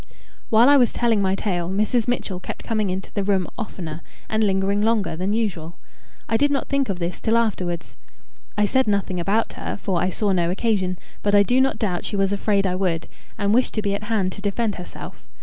While I was telling my tale, Mrs. Mitchell kept coming into the room oftener, and lingering longer, than usual. I did not think of this till afterwards. I said nothing about her, for I saw no occasion; but I do not doubt she was afraid I would, and wished to be at hand to defend herself.